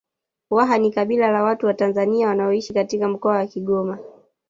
Waha ni kabila la watu wa Tanzania wanaoishi katika Mkoa wa Kigoma